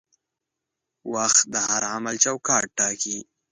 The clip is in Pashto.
وخت د هر عمل چوکاټ ټاکي.